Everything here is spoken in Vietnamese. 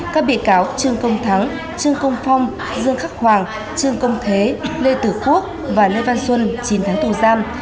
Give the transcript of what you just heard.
các bị cáo trương công thắng trương công phong dương khắc hoàng trương công thế lê tử quốc và lê văn xuân chín tháng tù giam